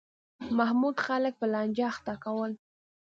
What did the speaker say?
محمود خلک په لانجه اخته کول.